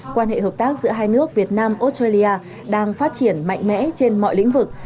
quan hệ hợp tác giữa hai nước việt nam australia đang phát triển mạnh mẽ trên mọi lĩnh vực